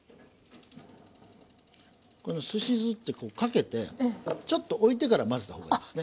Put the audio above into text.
このすし酢ってかけてちょっとおいてから混ぜた方がいいですね。